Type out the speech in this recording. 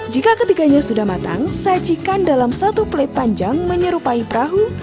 jika ketiganya sudah matang sajikan dalam satu plate panjang menyerupai perahu